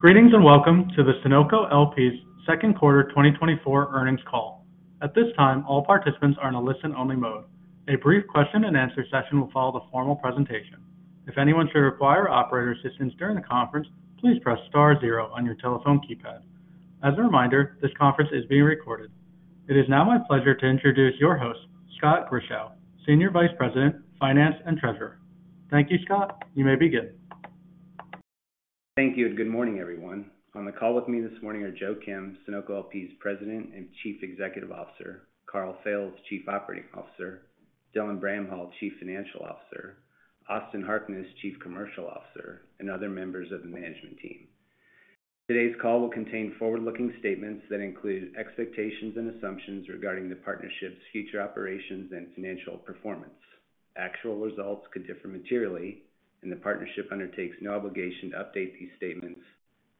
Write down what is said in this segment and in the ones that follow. Greetings and welcome to the Sunoco LP's second quarter 2024 earnings call. At this time, all participants are in a listen-only mode. A brief question-and-answer session will follow the formal presentation. If anyone should require operator assistance during the conference, please press star zero on your telephone keypad. As a reminder, this conference is being recorded. It is now my pleasure to introduce your host, Scott Grischow, Senior Vice President, Finance and Treasurer. Thank you, Scott. You may begin. Thank you, and good morning, everyone. On the call with me this morning are Joe Kim, Sunoco LP's President and Chief Executive Officer, Karl Fails, Chief Operating Officer, Dylan Bramhall, Chief Financial Officer, Austin Harkness, Chief Commercial Officer, and other members of the management team. Today's call will contain forward-looking statements that include expectations and assumptions regarding the partnership's future operations and financial performance. Actual results could differ materially, and the partnership undertakes no obligation to update these statements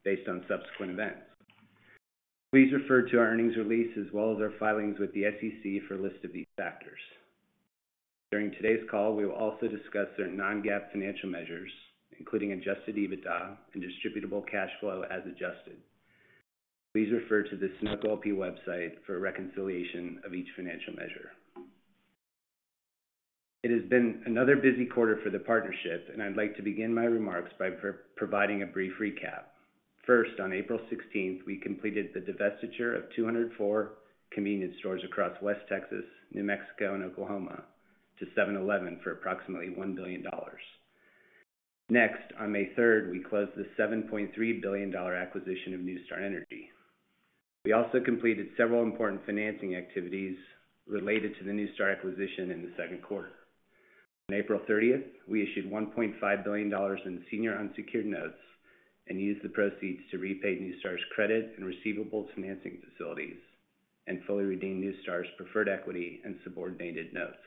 based on subsequent events. Please refer to our earnings release as well as our filings with the SEC for a list of these factors. During today's call, we will also discuss their non-GAAP financial measures, including Adjusted EBITDA and distributable cash flow as adjusted. Please refer to the Sunoco LP website for reconciliation of each financial measure. It has been another busy quarter for the partnership, and I'd like to begin my remarks by providing a brief recap. First, on April 16th, we completed the divestiture of 204 convenience stores across West Texas, New Mexico, and Oklahoma to 7-Eleven for approximately $1 billion. Next, on May 3rd, we closed the $7.3 billion acquisition of NuStar Energy. We also completed several important financing activities related to the NuStar acquisition in the second quarter. On April 30th, we issued $1.5 billion in senior unsecured notes and used the proceeds to repay NuStar's credit and receivables financing facilities and fully redeem NuStar's preferred equity and subordinated notes.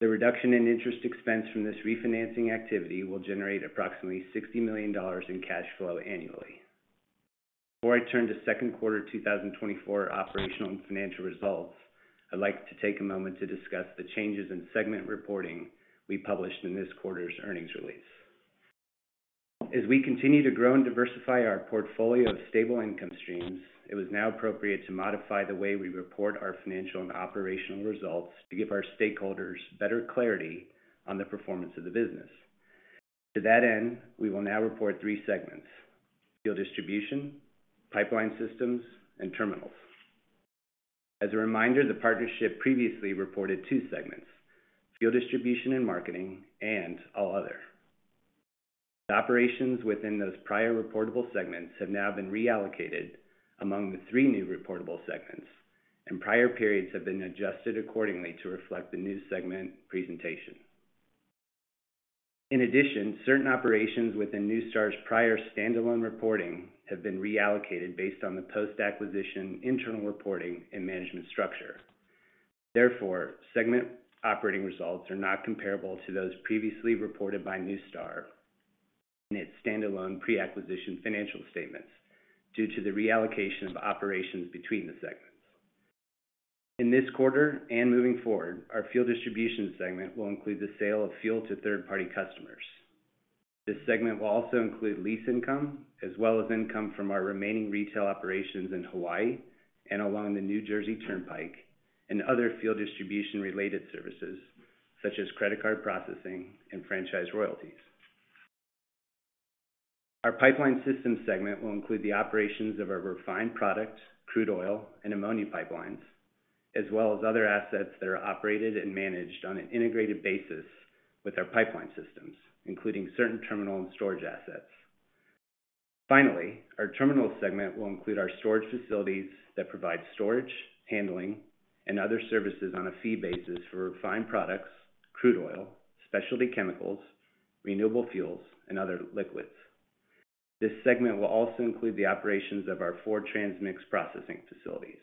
The reduction in interest expense from this refinancing activity will generate approximately $60 million in cash flow annually. Before I turn to second quarter 2024 operational and financial results, I'd like to take a moment to discuss the changes in segment reporting we published in this quarter's earnings release. As we continue to grow and diversify our portfolio of stable income streams, it was now appropriate to modify the way we report our financial and operational results to give our stakeholders better clarity on the performance of the business. To that end, we will now report three segments: fuel distribution, pipeline systems, and terminals. As a reminder, the partnership previously reported two segments: fuel distribution and marketing, and all other. The operations within those prior reportable segments have now been reallocated among the three new reportable segments, and prior periods have been adjusted accordingly to reflect the new segment presentation. In addition, certain operations within NuStar's prior standalone reporting have been reallocated based on the post-acquisition internal reporting and management structure. Therefore, segment operating results are not comparable to those previously reported by NuStar in its standalone pre-acquisition financial statements due to the reallocation of operations between the segments. In this quarter and moving forward, our fuel distribution segment will include the sale of fuel to third-party customers. This segment will also include lease income as well as income from our remaining retail operations in Hawaii and along the New Jersey Turnpike and other fuel distribution-related services such as credit card processing and franchise royalties. Our pipeline systems segment will include the operations of our refined product, crude oil, and ammonia pipelines, as well as other assets that are operated and managed on an integrated basis with our pipeline systems, including certain terminal and storage assets. Finally, our terminal segment will include our storage facilities that provide storage, handling, and other services on a fee basis for refined products, crude oil, specialty chemicals, renewable fuels, and other liquids. This segment will also include the operations of our four transmix processing facilities.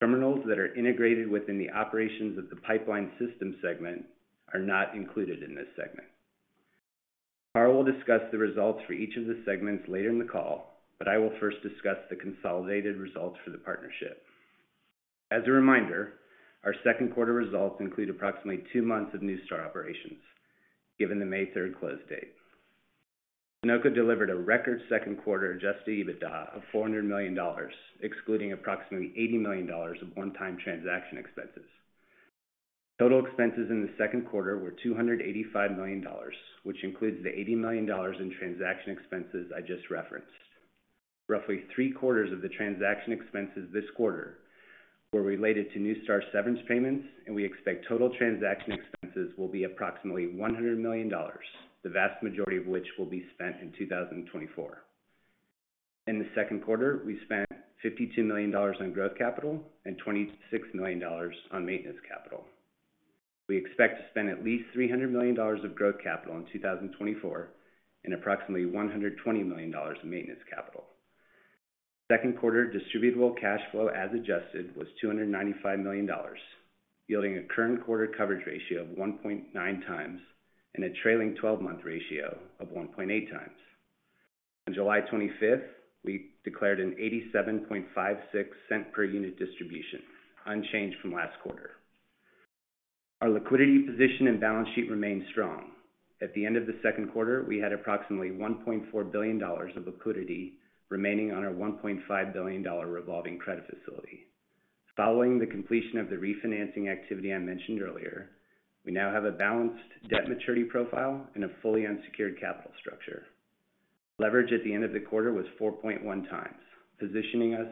Terminals that are integrated within the operations of the pipeline systems segment are not included in this segment. Karl will discuss the results for each of the segments later in the call, but I will first discuss the consolidated results for the partnership. As a reminder, our second quarter results include approximately two months of NuStar operations, given the May 3rd close date. Sunoco delivered a record second quarter Adjusted EBITDA of $400 million, excluding approximately $80 million of one-time transaction expenses. Total expenses in the second quarter were $285 million, which includes the $80 million in transaction expenses I just referenced. Roughly three quarters of the transaction expenses this quarter were related to NuStar's severance payments, and we expect total transaction expenses will be approximately $100 million, the vast majority of which will be spent in 2024. In the second quarter, we spent $52 million on growth capital and $26 million on maintenance capital. We expect to spend at least $300 million of growth capital in 2024 and approximately $120 million in maintenance capital. Second quarter distributable cash flow as adjusted was $295 million, yielding a current quarter coverage ratio of 1.9 times and a trailing 12-month ratio of 1.8 times. On July 25th, we declared an $0.8756 per unit distribution, unchanged from last quarter. Our liquidity position and balance sheet remained strong. At the end of the second quarter, we had approximately $1.4 billion of liquidity remaining on our $1.5 billion revolving credit facility. Following the completion of the refinancing activity I mentioned earlier, we now have a balanced debt maturity profile and a fully unsecured capital structure. Leverage at the end of the quarter was 4.1 times, positioning us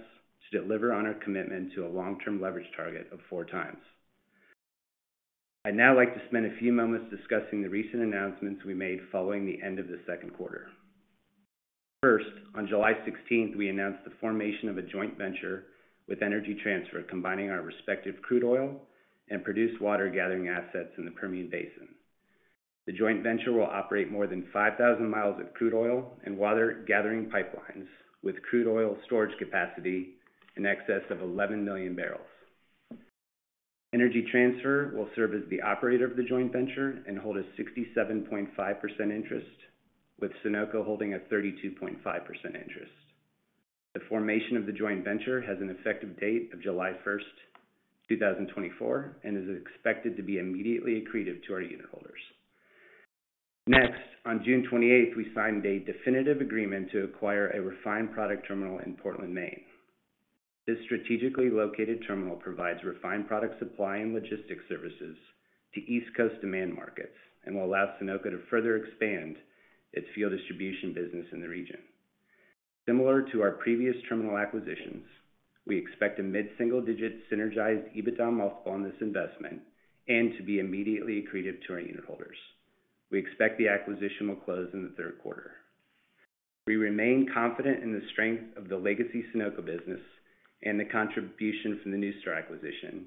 to deliver on our commitment to a long-term leverage target of 4 times. I'd now like to spend a few moments discussing the recent announcements we made following the end of the second quarter. First, on July 16th, we announced the formation of a joint venture with Energy Transfer, combining our respective crude oil and produced water gathering assets in the Permian Basin. The joint venture will operate more than 5,000 miles of crude oil and water gathering pipelines with crude oil storage capacity in excess of 11 million barrels. Energy Transfer will serve as the operator of the joint venture and hold a 67.5% interest, with Sunoco holding a 32.5% interest. The formation of the joint venture has an effective date of July 1st, 2024, and is expected to be immediately accretive to our unit holders. Next, on June 28th, we signed a definitive agreement to acquire a refined product terminal in Portland, Maine. This strategically located terminal provides refined product supply and logistics services to East Coast demand markets and will allow Sunoco to further expand its fuel distribution business in the region. Similar to our previous terminal acquisitions, we expect a mid-single-digit synergized EBITDA multiple on this investment and to be immediately accretive to our unit holders. We expect the acquisition will close in the third quarter. We remain confident in the strength of the legacy Sunoco business and the contribution from the NuStar acquisition,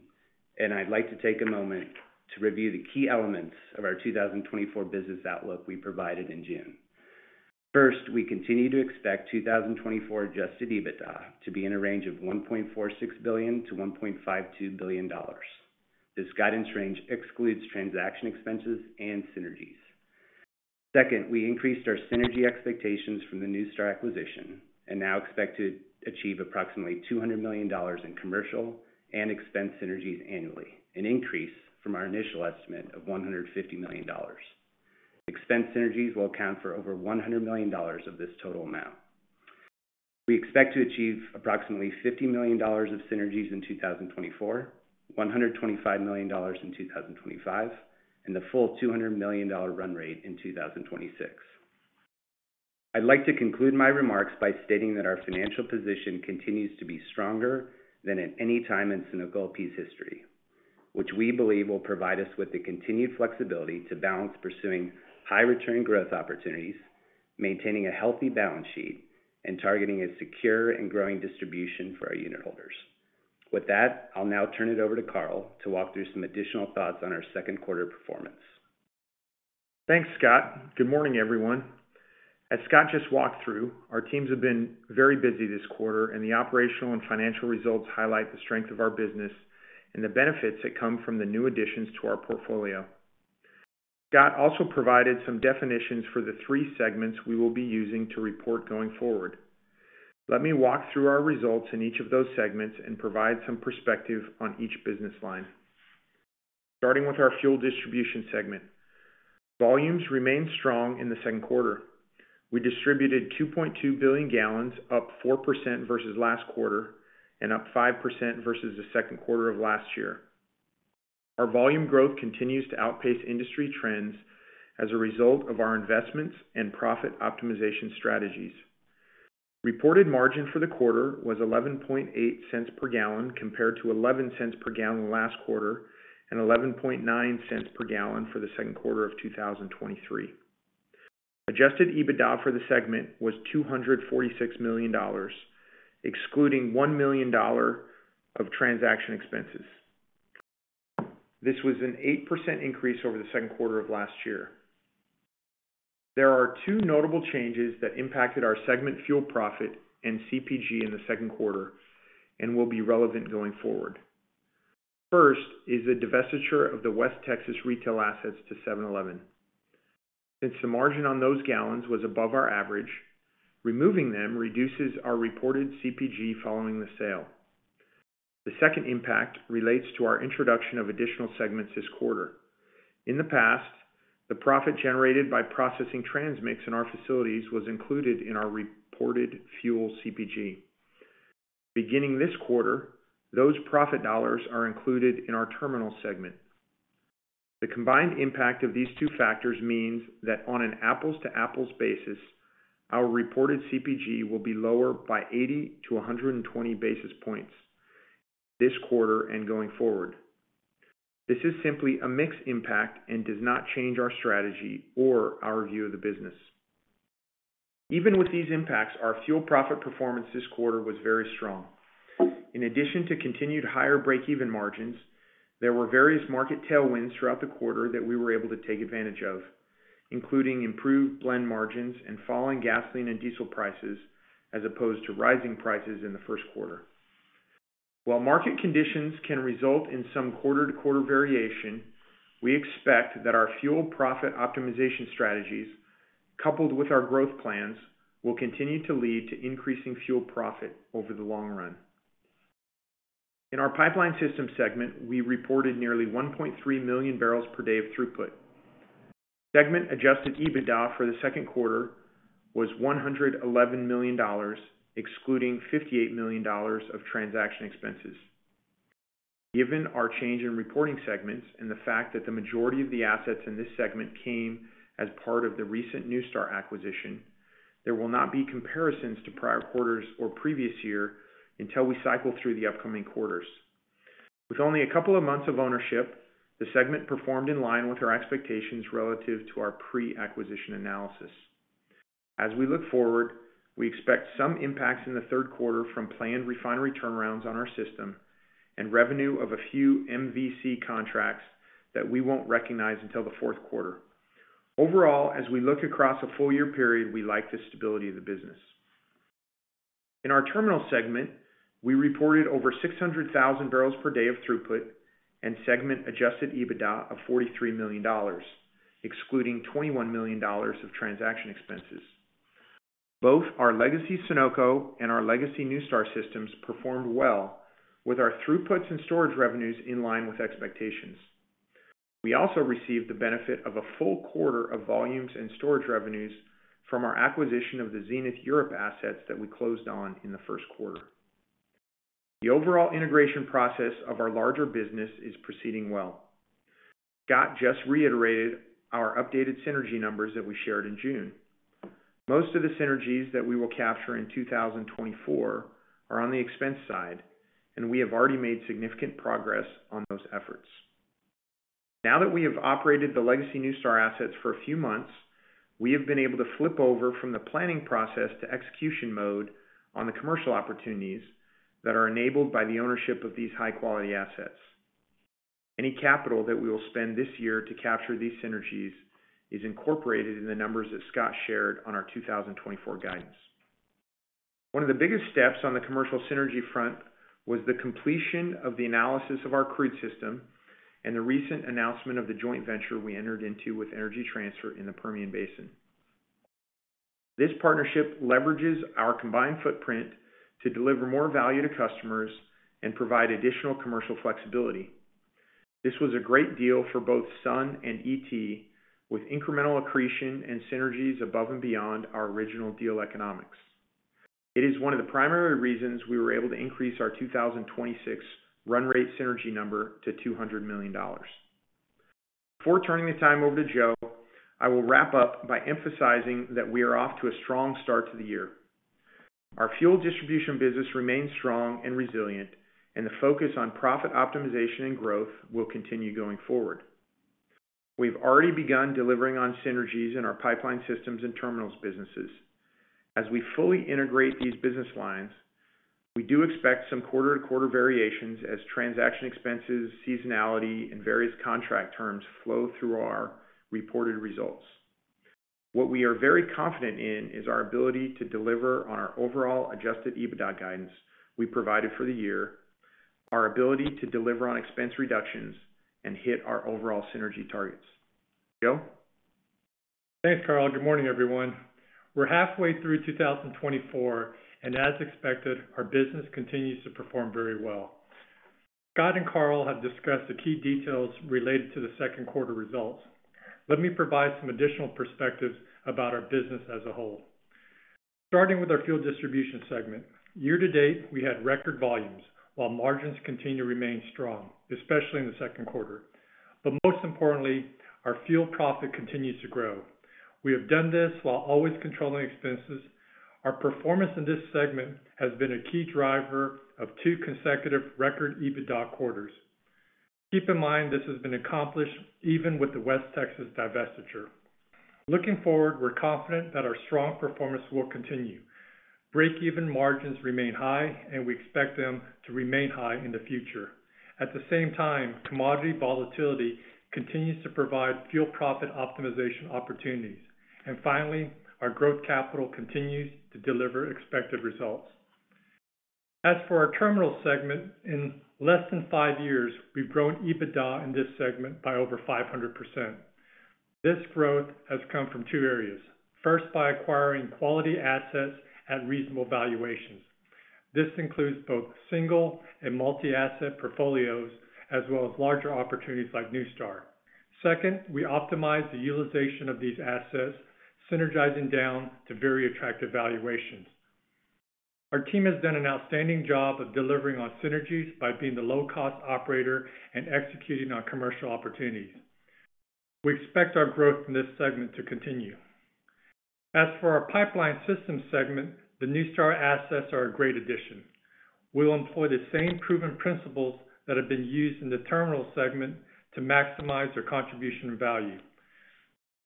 and I'd like to take a moment to review the key elements of our 2024 business outlook we provided in June. First, we continue to expect 2024 Adjusted EBITDA to be in a range of $1.46 billion-$1.52 billion. This guidance range excludes transaction expenses and synergies. Second, we increased our synergy expectations from the NuStar acquisition and now expect to achieve approximately $200 million in commercial and expense synergies annually, an increase from our initial estimate of $150 million. Expense synergies will account for over $100 million of this total amount. We expect to achieve approximately $50 million of synergies in 2024, $125 million in 2025, and the full $200 million run rate in 2026. I'd like to conclude my remarks by stating that our financial position continues to be stronger than at any time in Sunoco LP's history, which we believe will provide us with the continued flexibility to balance pursuing high-return growth opportunities, maintaining a healthy balance sheet, and targeting a secure and growing distribution for our unit holders. With that, I'll now turn it over to Karl to walk through some additional thoughts on our second quarter performance. Thanks, Scott. Good morning, everyone. As Scott just walked through, our teams have been very busy this quarter, and the operational and financial results highlight the strength of our business and the benefits that come from the new additions to our portfolio. Scott also provided some definitions for the three segments we will be using to report going forward. Let me walk through our results in each of those segments and provide some perspective on each business line. Starting with our fuel distribution segment, volumes remained strong in the second quarter. We distributed 2.2 billion gallons, up 4% versus last quarter and up 5% versus the second quarter of last year. Our volume growth continues to outpace industry trends as a result of our investments and profit optimization strategies. Reported margin for the quarter was 11.8 cents per gallon compared to 11 cents per gallon last quarter and 11.9 cents per gallon for the second quarter of 2023. Adjusted EBITDA for the segment was $246 million, excluding $1 million of transaction expenses. This was an 8% increase over the second quarter of last year. There are two notable changes that impacted our segment fuel profit and CPG in the second quarter and will be relevant going forward. First is the divestiture of the West Texas retail assets to 7-Eleven. Since the margin on those gallons was above our average, removing them reduces our reported CPG following the sale. The second impact relates to our introduction of additional segments this quarter. In the past, the profit generated by processing transmix in our facilities was included in our reported fuel CPG. Beginning this quarter, those profit dollars are included in our terminal segment. The combined impact of these two factors means that on an apples-to-apples basis, our reported CPG will be lower by 80-120 basis points this quarter and going forward. This is simply a mix impact and does not change our strategy or our view of the business. Even with these impacts, our fuel profit performance this quarter was very strong. In addition to continued higher break-even margins, there were various market tailwinds throughout the quarter that we were able to take advantage of, including improved blend margins and falling gasoline and diesel prices as opposed to rising prices in the first quarter. While market conditions can result in some quarter-to-quarter variation, we expect that our fuel profit optimization strategies, coupled with our growth plans, will continue to lead to increasing fuel profit over the long run. In our pipeline systems segment, we reported nearly 1.3 million barrels per day of throughput. Segment Adjusted EBITDA for the second quarter was $111 million, excluding $58 million of transaction expenses. Given our change in reporting segments and the fact that the majority of the assets in this segment came as part of the recent NuStar acquisition, there will not be comparisons to prior quarters or previous year until we cycle through the upcoming quarters. With only a couple of months of ownership, the segment performed in line with our expectations relative to our pre-acquisition analysis. As we look forward, we expect some impacts in the third quarter from planned refinery turnarounds on our system and revenue of a few MVC contracts that we won't recognize until the fourth quarter. Overall, as we look across a full year period, we like the stability of the business. In our terminal segment, we reported over 600,000 barrels per day of throughput and segment adjusted EBITDA of $43 million, excluding $21 million of transaction expenses. Both our legacy Sunoco and our legacy NuStar systems performed well, with our throughputs and storage revenues in line with expectations. We also received the benefit of a full quarter of volumes and storage revenues from our acquisition of the Zenith Europe assets that we closed on in the first quarter. The overall integration process of our larger business is proceeding well. Scott just reiterated our updated synergy numbers that we shared in June. Most of the synergies that we will capture in 2024 are on the expense side, and we have already made significant progress on those efforts. Now that we have operated the legacy NuStar assets for a few months, we have been able to flip over from the planning process to execution mode on the commercial opportunities that are enabled by the ownership of these high-quality assets. Any capital that we will spend this year to capture these synergies is incorporated in the numbers that Scott shared on our 2024 guidance. One of the biggest steps on the commercial synergy front was the completion of the analysis of our crude system and the recent announcement of the joint venture we entered into with Energy Transfer in the Permian Basin. This partnership leverages our combined footprint to deliver more value to customers and provide additional commercial flexibility. This was a great deal for both Sun and ET, with incremental accretion and synergies above and beyond our original deal economics. It is one of the primary reasons we were able to increase our 2026 run rate synergy number to $200 million. Before turning the time over to Joe, I will wrap up by emphasizing that we are off to a strong start to the year. Our fuel distribution business remains strong and resilient, and the focus on profit optimization and growth will continue going forward. We've already begun delivering on synergies in our pipeline systems and terminals businesses. As we fully integrate these business lines, we do expect some quarter-to-quarter variations as transaction expenses, seasonality, and various contract terms flow through our reported results. What we are very confident in is our ability to deliver on our overall Adjusted EBITDA guidance we provided for the year, our ability to deliver on expense reductions, and hit our overall synergy targets. Joe? Thanks, Karl. Good morning, everyone. We're halfway through 2024, and as expected, our business continues to perform very well. Scott and Karl have discussed the key details related to the second quarter results. Let me provide some additional perspectives about our business as a whole. Starting with our fuel distribution segment, year to date, we had record volumes, while margins continue to remain strong, especially in the second quarter. But most importantly, our fuel profit continues to grow. We have done this while always controlling expenses. Our performance in this segment has been a key driver of two consecutive record EBITDA quarters. Keep in mind this has been accomplished even with the West Texas divestiture. Looking forward, we're confident that our strong performance will continue. Break-even margins remain high, and we expect them to remain high in the future. At the same time, commodity volatility continues to provide fuel profit optimization opportunities. Finally, our growth capital continues to deliver expected results. As for our terminal segment, in less than five years, we've grown EBITDA in this segment by over 500%. This growth has come from two areas. First, by acquiring quality assets at reasonable valuations. This includes both single and multi-asset portfolios, as well as larger opportunities like NuStar. Second, we optimize the utilization of these assets, synergizing down to very attractive valuations. Our team has done an outstanding job of delivering on synergies by being the low-cost operator and executing on commercial opportunities. We expect our growth in this segment to continue. As for our pipeline systems segment, the NuStar assets are a great addition. We'll employ the same proven principles that have been used in the terminal segment to maximize our contribution value.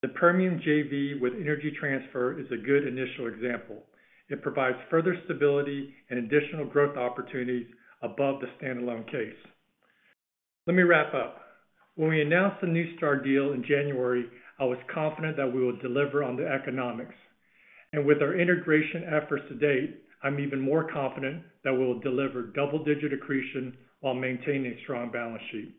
The Permian JV with Energy Transfer is a good initial example. It provides further stability and additional growth opportunities above the standalone case. Let me wrap up. When we announced the NuStar deal in January, I was confident that we will deliver on the economics. And with our integration efforts to date, I'm even more confident that we will deliver double-digit accretion while maintaining a strong balance sheet.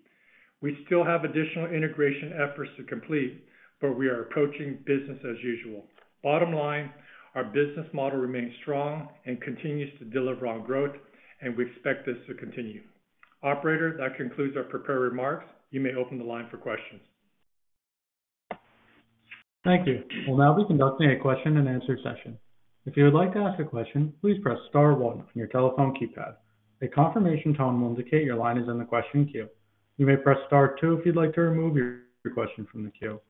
We still have additional integration efforts to complete, but we are approaching business as usual. Bottom line, our business model remains strong and continues to deliver on growth, and we expect this to continue. Operator, that concludes our prepared remarks. You may open the line for questions. Thank you. We'll now be conducting a question-and-answer session. If you would like to ask a question, please press Star 1 on your telephone keypad. A confirmation tone will indicate your line is in the question queue. You may press Star 2 if you'd like to remove your question from the queue.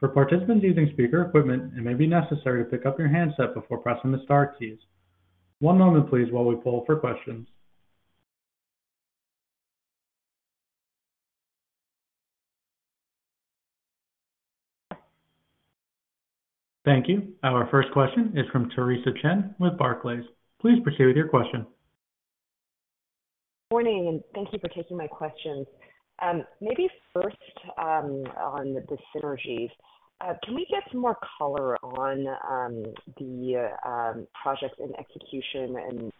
For participants using speaker equipment, it may be necessary to pick up your handset before pressing the Star keys. One moment, please, while we pull for questions. Thank you. Our first question is from Theresa Chen with Barclays. Please proceed with your question. Good morning, and thank you for taking my questions. Maybe first on the synergies, can we get some more color on the project in execution and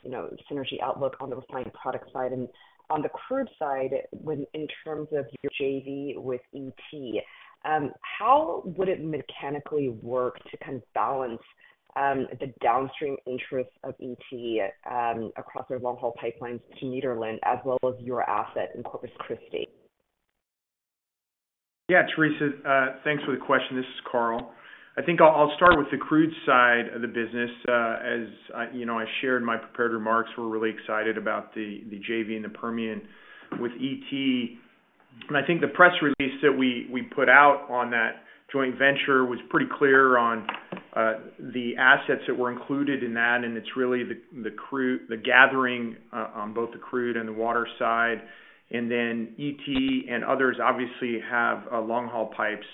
synergy outlook on the refined product side? And on the crude side, in terms of your JV with ET, how would it mechanically work to kind of balance the downstream interest of ET across their long-haul pipelines to Nederland as well as your asset in Corpus Christi? Yeah, Theresa, thanks for the question. This is Karl. I think I'll start with the crude side of the business. As I shared my prepared remarks, we're really excited about the JV and the Permian with ET. I think the press release that we put out on that joint venture was pretty clear on the assets that were included in that. It's really the gathering on both the crude and the water side. Then ET and others obviously have long-haul pipes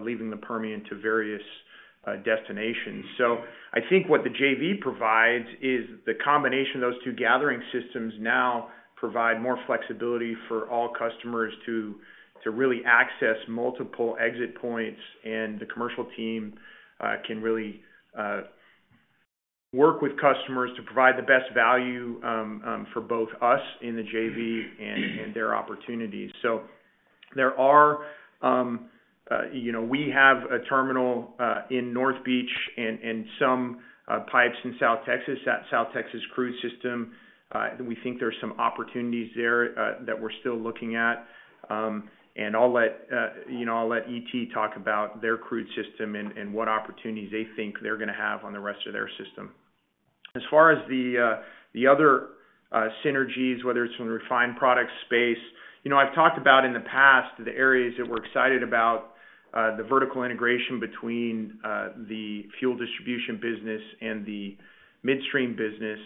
leaving the Permian to various destinations. So I think what the JV provides is the combination of those two gathering systems now provides more flexibility for all customers to really access multiple exit points. The commercial team can really work with customers to provide the best value for both us in the JV and their opportunities. So, there are, we have a terminal in North Beach and some pipes in South Texas at South Texas Crude System. We think there are some opportunities there that we're still looking at. And I'll let ET talk about their crude system and what opportunities they think they're going to have on the rest of their system. As far as the other synergies, whether it's from the refined product space, I've talked about in the past the areas that we're excited about, the vertical integration between the fuel distribution business and the midstream business.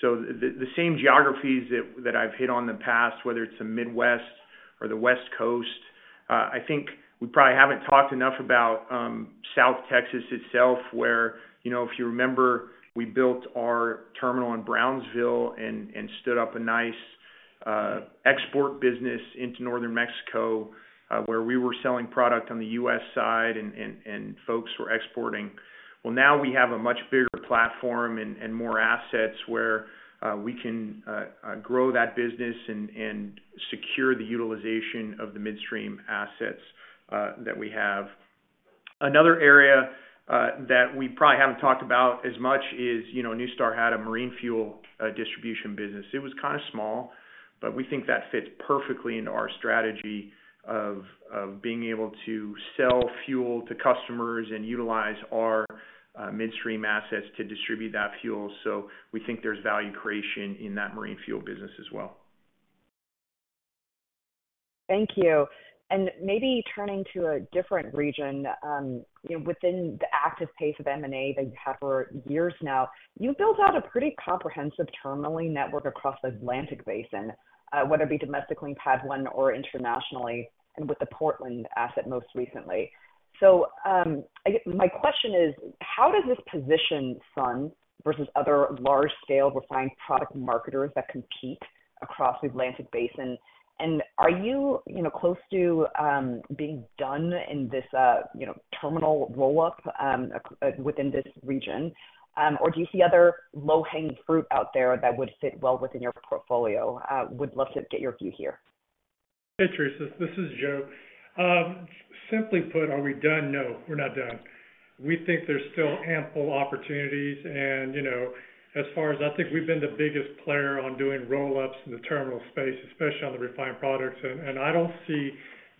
So, the same geographies that I've hit on in the past, whether it's the Midwest or the West Coast, I think we probably haven't talked enough about South Texas itself, where if you remember, we built our terminal in Brownsville and stood up a nice export business into Northern Mexico where we were selling product on the U.S. side and folks were exporting. Well, now we have a much bigger platform and more assets where we can grow that business and secure the utilization of the midstream assets that we have. Another area that we probably haven't talked about as much is NuStar had a marine fuel distribution business. It was kind of small, but we think that fits perfectly into our strategy of being able to sell fuel to customers and utilize our midstream assets to distribute that fuel. We think there's value creation in that marine fuel business as well. Thank you. And maybe turning to a different region, within the active pace of M&A that you have for years now, you've built out a pretty comprehensive terminaling network across the Atlantic Basin, whether it be domestically in PADD 1 or internationally, and with the Portland asset most recently. So, my question is, how does this position Sun versus other large-scale refined product marketers that compete across the Atlantic Basin? And are you close to being done in this terminal roll-up within this region? Or do you see other low-hanging fruit out there that would fit well within your portfolio? Would love to get your view here. Hey, Theresa. This is Joe. Simply put, are we done? No, we're not done. We think there's still ample opportunities. As far as I think, we've been the biggest player on doing roll-ups in the terminal space, especially on the refined products. I don't see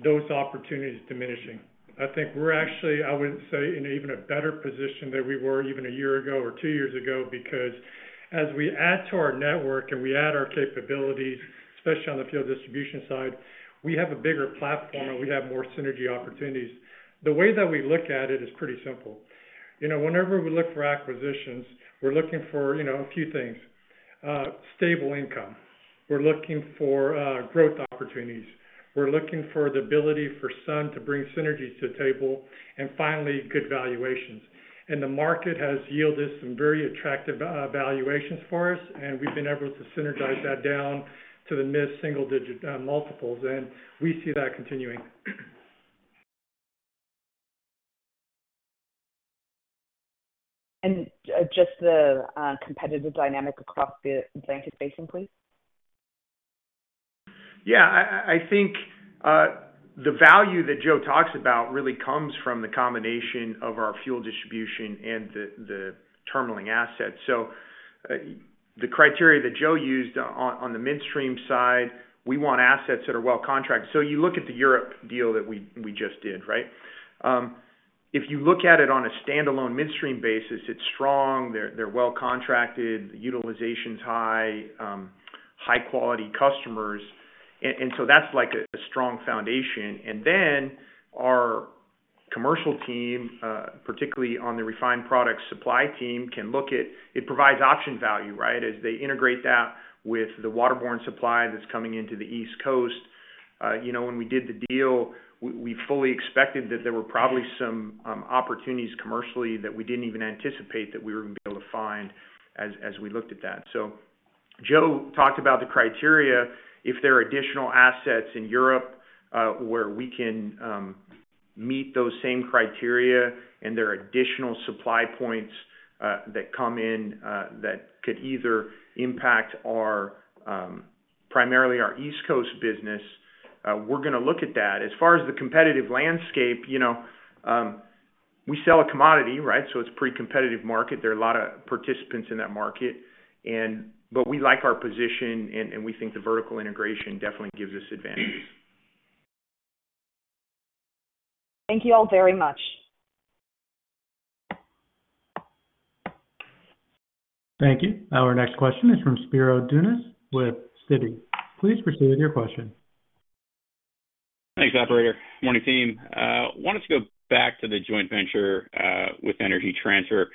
those opportunities diminishing. I think we're actually, I would say, in even a better position than we were even a year ago or two years ago because as we add to our network and we add our capabilities, especially on the fuel distribution side, we have a bigger platform and we have more synergy opportunities. The way that we look at it is pretty simple. Whenever we look for acquisitions, we're looking for a few things: stable income. We're looking for growth opportunities. We're looking for the ability for Sun to bring synergies to the table. And finally, good valuations. The market has yielded some very attractive valuations for us, and we've been able to synergize that down to the mid-single-digit multiples. We see that continuing. Just the competitive dynamic across the Atlantic Basin, please. Yeah, I think the value that Joe talks about really comes from the combination of our fuel distribution and the terminaling assets. So, the criteria that Joe used on the midstream side, we want assets that are well contracted. So you look at the Europe deal that we just did, right? If you look at it on a standalone midstream basis, it's strong. They're well contracted. The utilization's high, high-quality customers. And so that's like a strong foundation. And then our commercial team, particularly on the refined product supply team, can look at it provides option value, right, as they integrate that with the waterborne supply that's coming into the East Coast. When we did the deal, we fully expected that there were probably some opportunities commercially that we didn't even anticipate that we were going to be able to find as we looked at that. Joe talked about the criteria. If there are additional assets in Europe where we can meet those same criteria and there are additional supply points that come in that could either impact primarily our East Coast business, we're going to look at that. As far as the competitive landscape, we sell a commodity, right? It's a pretty competitive market. There are a lot of participants in that market. But we like our position, and we think the vertical integration definitely gives us advantages. Thank you all very much. Thank you. Our next question is from Spiro Dounis with Citi. Please proceed with your question. Thanks, Operator. Good morning, team. I wanted to go back to the joint venture with Energy Transfer.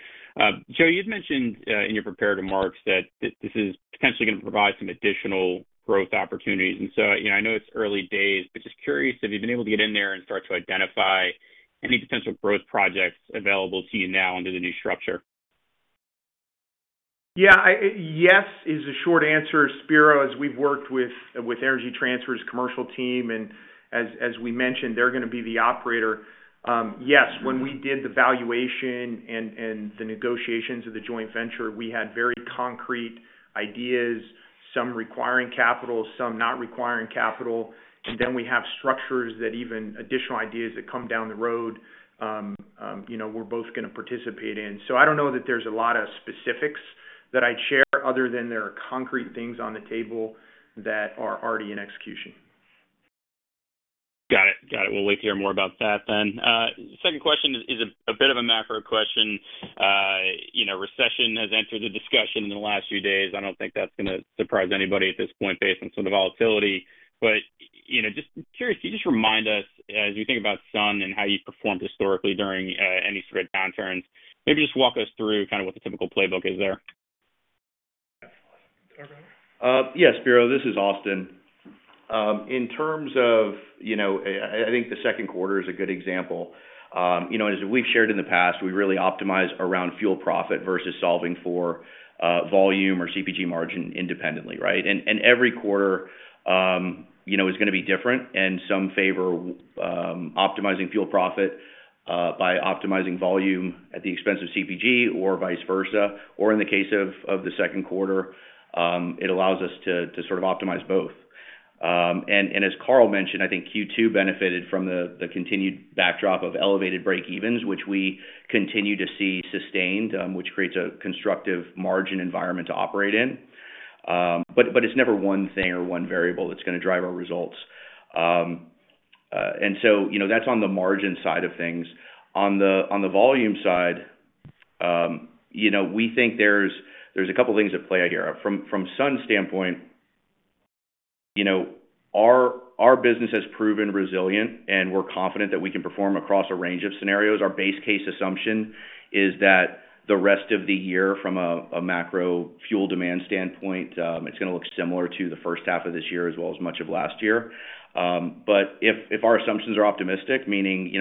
Joe, you'd mentioned in your prepared remarks that this is potentially going to provide some additional growth opportunities. And so I know it's early days, but just curious if you've been able to get in there and start to identify any potential growth projects available to you now under the new structure. Yeah, yes is the short answer. Spiro, as we've worked with Energy Transfer's commercial team, and as we mentioned, they're going to be the operator. Yes, when we did the valuation and the negotiations of the joint venture, we had very concrete ideas, some requiring capital, some not requiring capital. And then we have structures that even additional ideas that come down the road we're both going to participate in. So I don't know that there's a lot of specifics that I'd share other than there are concrete things on the table that are already in execution. Got it. Got it. We'll wait to hear more about that then. Second question is a bit of a macro question. Recession has entered the discussion in the last few days. I don't think that's going to surprise anybody at this point based on some of the volatility. But just curious, can you just remind us, as you think about Sun and how you performed historically during any sort of downturns, maybe just walk us through kind of what the typical playbook is there? Yes, Spiro, this is Austin. In terms of, I think the second quarter is a good example. As we've shared in the past, we really optimize around fuel profit versus solving for volume or CPG margin independently, right? And every quarter is going to be different. And some favor optimizing fuel profit by optimizing volume at the expense of CPG or vice versa. Or in the case of the second quarter, it allows us to sort of optimize both. And as Karl mentioned, I think Q2 benefited from the continued backdrop of elevated breakevens, which we continue to see sustained, which creates a constructive margin environment to operate in. But it's never one thing or one variable that's going to drive our results. And so, that's on the margin side of things. On the volume side, we think there's a couple of things at play here. From Sunoco's standpoint, our business has proven resilient, and we're confident that we can perform across a range of scenarios. Our base case assumption is that the rest of the year, from a macro fuel demand standpoint, it's going to look similar to the first half of this year as well as much of last year. But if our assumptions are optimistic, meaning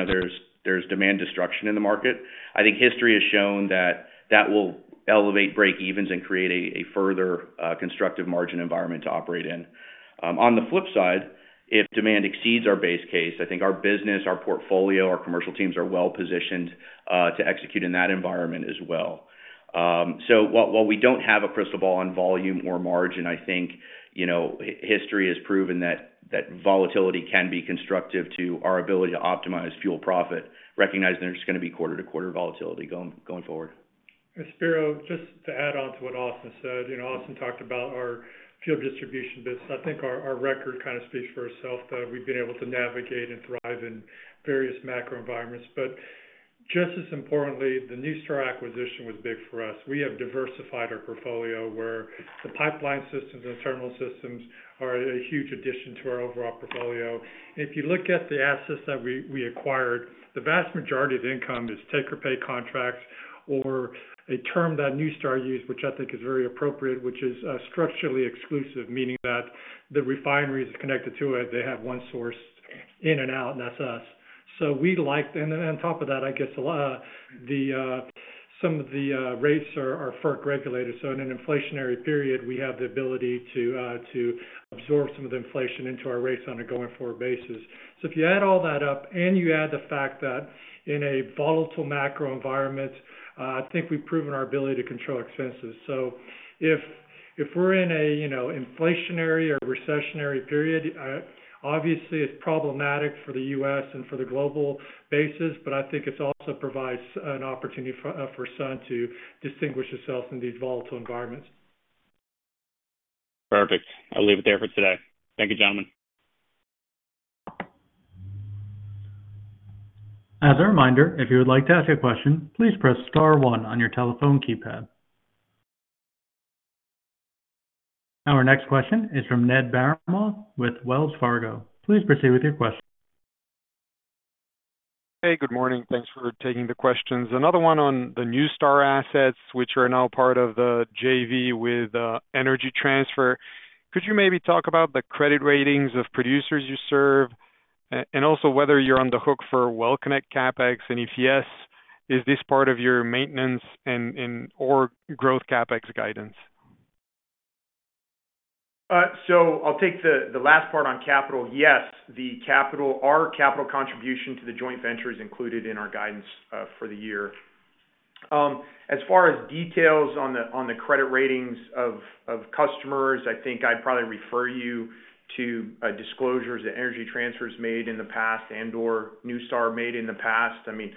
there's demand destruction in the market, I think history has shown that that will elevate breakevens and create a further constructive margin environment to operate in. On the flip side, if demand exceeds our base case, I think our business, our portfolio, our commercial teams are well positioned to execute in that environment as well. While we don't have a crystal ball on volume or margin, I think history has proven that volatility can be constructive to our ability to optimize fuel profit, recognizing there's going to be quarter-to-quarter volatility going forward. Spiro, just to add on to what Austin said, Austin talked about our fuel distribution business. I think our record kind of speaks for itself that we've been able to navigate and thrive in various macro environments. But just as importantly, the NuStar acquisition was big for us. We have diversified our portfolio where the pipeline systems and terminal systems are a huge addition to our overall portfolio. If you look at the assets that we acquired, the vast majority of income is take-or-pay contracts or a term that NuStar used, which I think is very appropriate, which is structurally exclusive, meaning that the refineries are connected to it. They have one source in and out, and that's us. So we like, and on top of that, I guess some of the rates are for regulators. In an inflationary period, we have the ability to absorb some of the inflation into our rates on a going-forward basis. If you add all that up and you add the fact that in a volatile macro environment, I think we've proven our ability to control expenses. If we're in an inflationary or recessionary period, obviously, it's problematic for the U.S. and for the global basis, but I think it also provides an opportunity for Sun to distinguish itself in these volatile environments. Perfect. I'll leave it there for today. Thank you, gentlemen. As a reminder, if you would like to ask a question, please press star one on your telephone keypad. Our next question is from Ned Baramov with Wells Fargo. Please proceed with your question. Hey, good morning. Thanks for taking the questions. Another one on the NuStar assets, which are now part of the JV with Energy Transfer. Could you maybe talk about the credit ratings of producers you serve and also whether you're on the hook for well-connect CapEx? And if yes, is this part of your maintenance or growth CapEx guidance? So I'll take the last part on capital. Yes, our capital contribution to the joint venture is included in our guidance for the year. As far as details on the credit ratings of customers, I think I'd probably refer you to disclosures that Energy Transfer's made in the past and/or NuStar made in the past. I mean,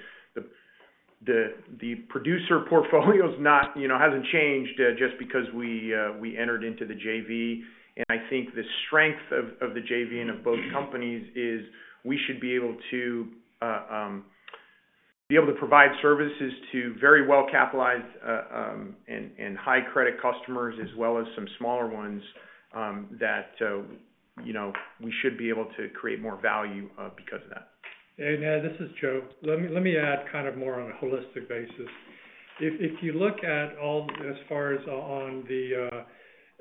the producer portfolio hasn't changed just because we entered into the JV. And I think the strength of the JV and of both companies is we should be able to provide services to very well-capitalized and high-credit customers as well as some smaller ones that we should be able to create more value because of that. Ned, this is Joe. Let me add kind of more on a holistic basis. If you look at all as far as on the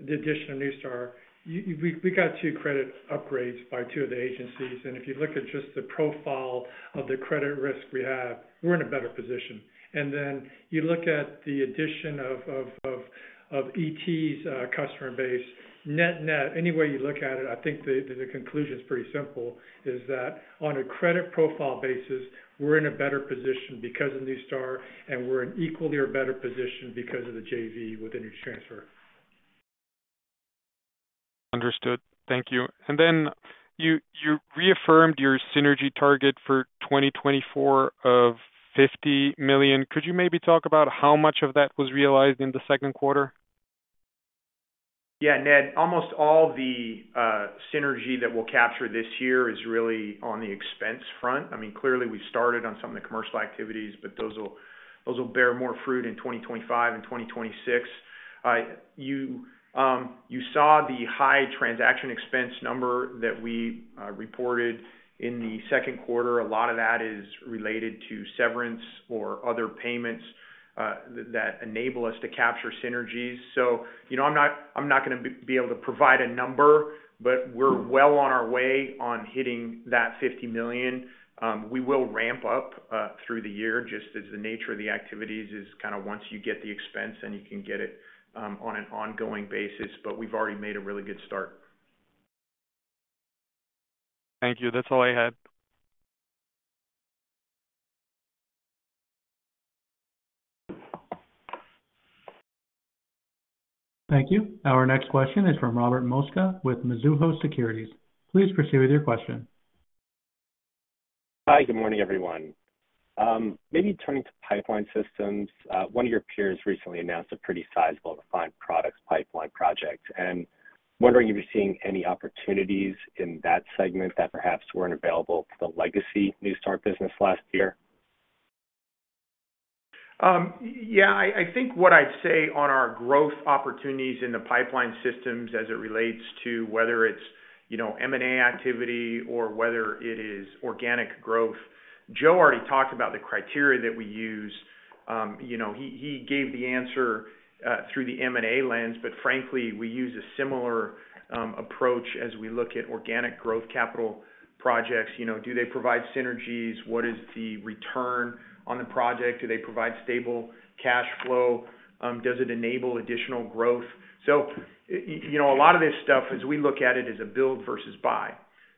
addition of NuStar, we got two credit upgrades by two of the agencies. If you look at just the profile of the credit risk we have, we're in a better position. Then you look at the addition of ET's customer base, net-net, any way you look at it, I think the conclusion is pretty simple that on a credit profile basis, we're in a better position because of NuStar, and we're in equally or better position because of the JV with Energy Transfer. Understood. Thank you. And then you reaffirmed your synergy target for 2024 of $50 million. Could you maybe talk about how much of that was realized in the second quarter? Yeah, Ned, almost all the synergy that we'll capture this year is really on the expense front. I mean, clearly, we started on some of the commercial activities, but those will bear more fruit in 2025 and 2026. You saw the high transaction expense number that we reported in the second quarter. A lot of that is related to severance or other payments that enable us to capture synergies. So I'm not going to be able to provide a number, but we're well on our way on hitting that $50 million. We will ramp up through the year just as the nature of the activities is kind of once you get the expense, and you can get it on an ongoing basis. But we've already made a really good start. Thank you. That's all I had. Thank you. Our next question is from Robert Mosca with Mizuho Securities. Please proceed with your question. Hi, good morning, everyone. Maybe turning to pipeline systems, one of your peers recently announced a pretty sizable refined products pipeline project. Wondering if you're seeing any opportunities in that segment that perhaps weren't available to the legacy NuStar business last year? Yeah, I think what I'd say on our growth opportunities in the pipeline systems as it relates to whether it's M&A activity or whether it is organic growth, Joe already talked about the criteria that we use. He gave the answer through the M&A lens, but frankly, we use a similar approach as we look at organic growth capital projects. Do they provide synergies? What is the return on the project? Do they provide stable cash flow? Does it enable additional growth? So, a lot of this stuff, as we look at it as a build versus buy.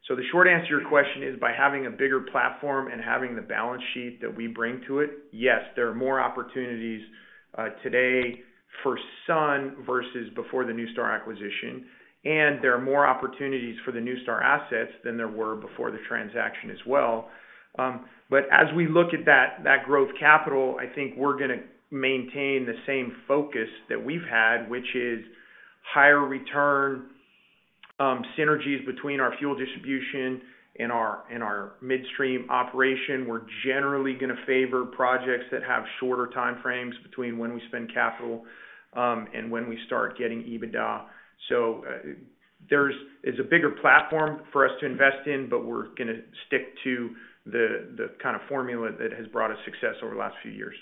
So the short answer to your question is by having a bigger platform and having the balance sheet that we bring to it, yes, there are more opportunities today for Sun versus before the NuStar acquisition. There are more opportunities for the NuStar assets than there were before the transaction as well. But as we look at that growth capital, I think we're going to maintain the same focus that we've had, which is higher return synergies between our fuel distribution and our midstream operation. We're generally going to favor projects that have shorter time frames between when we spend capital and when we start getting EBITDA. So there's a bigger platform for us to invest in, but we're going to stick to the kind of formula that has brought us success over the last few years.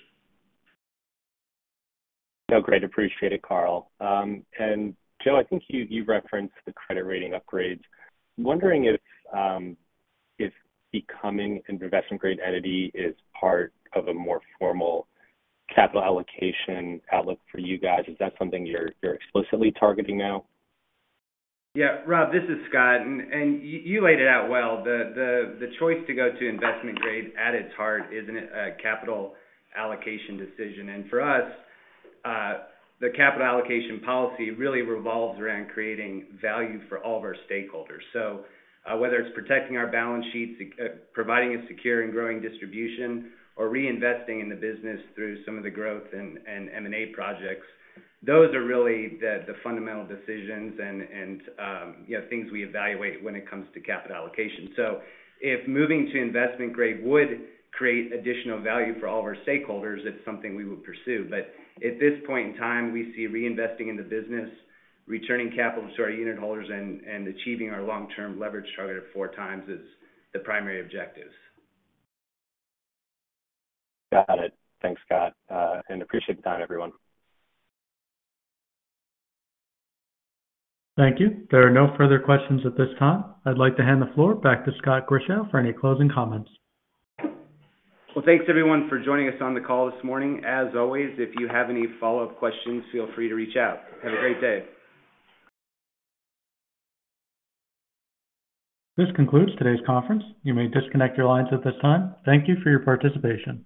So great to appreciate it, Karl. And Joe, I think you referenced the credit rating upgrades. Wondering if becoming an investment-grade entity is part of a more formal capital allocation outlook for you guys. Is that something you're explicitly targeting now? Yeah, Rob, this is Scott. You laid it out well. The choice to go to investment-grade at its heart isn't a capital allocation decision. For us, the capital allocation policy really revolves around creating value for all of our stakeholders. So whether it's protecting our balance sheets, providing a secure and growing distribution, or reinvesting in the business through some of the growth and M&A projects, those are really the fundamental decisions and things we evaluate when it comes to capital allocation. If moving to investment-grade would create additional value for all of our stakeholders, it's something we would pursue. At this point in time, we see reinvesting in the business, returning capital to our unit holders, and achieving our long-term leverage target of 4x as the primary objectives. Got it. Thanks, Scott. And appreciate the time, everyone. Thank you. There are no further questions at this time. I'd like to hand the floor back to Scott Grischow for any closing comments. Well, thanks, everyone, for joining us on the call this morning. As always, if you have any follow-up questions, feel free to reach out. Have a great day. This concludes today's conference. You may disconnect your lines at this time. Thank you for your participation.